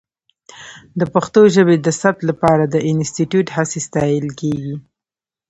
د پښتو ژبې د ثبت لپاره د انسټیټوت هڅې ستایلې کېږي.